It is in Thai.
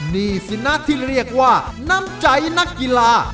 นี่สินะที่เรียกว่าน้ำใจนักกีฬา